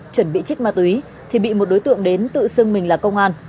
chuẩn bị chích ma túy thì bị một đối tượng đến tự xưng mình là công an